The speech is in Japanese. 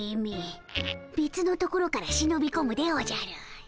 べつのところからしのびこむでおじゃる！